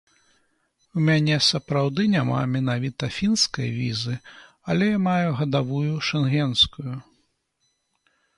У мяне сапраўды няма менавіта фінскай візы, але я маю гадавую шэнгенскую.